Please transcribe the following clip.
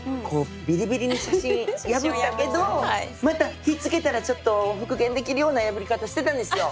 ビリビリに写真破ったけどまたひっつけたら復元できるような破り方をしてたんですよ。